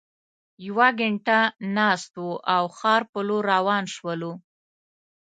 یوه ګینټه ناست وو او ښار په لور روان شولو.